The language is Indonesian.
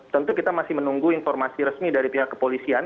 tentu kita masih menunggu informasi resmi dari pihak kepolisian